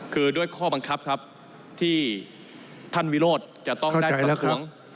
คือด้วยข้อบังคับครับที่ท่านวิโรธจะต้องได้ประท้วง